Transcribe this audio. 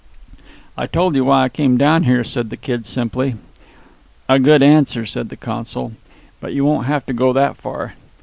"I told you why I came down here," said the Kid simply. "A good answer," said the consul. "But you won't have to go that far.